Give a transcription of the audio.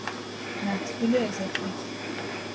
محصول اضافی